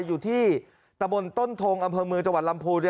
อยู่ที่ตะบนต้นทงอำเภอเมืองจังหวัดลำพูน